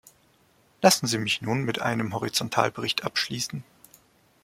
Lassen Sie mich nun mit einem Horizontalbericht abschließen.